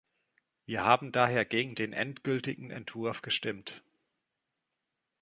Wir haben daher gegen den endgültigen Entwurf gestimmt.